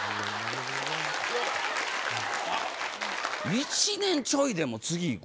１年ちょいでもう次いく？